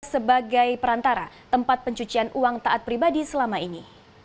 sebagai perantara tempat pencucian uang taat pribadi selama ini